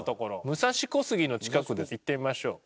武蔵小杉の近くでいってみましょう。